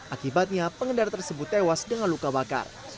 akibatnya pengendara tersebut tewas dengan luka bakar